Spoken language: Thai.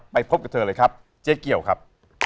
ไปพบกับเธอเลยครับเจ๊เกียวครับ